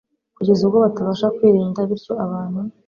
kugeza ubwo batabasha kwirinda. Bityo abantu